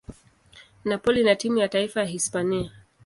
Napoli na timu ya taifa ya Hispania.